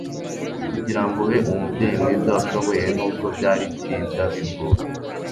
kugirango ube umubyeyi mwiza washoboye, nubwo byari kinda bigoye